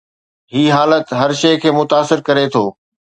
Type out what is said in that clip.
هي حالت هر شيء کي متاثر ڪري ٿو.